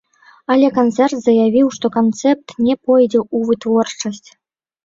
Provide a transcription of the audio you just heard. Але канцэрн заявіў, што канцэпт не пойдзе ў вытворчасць.